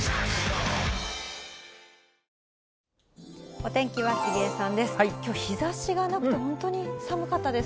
お天気は杉江さんです。